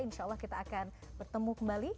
insya allah kita akan bertemu kembali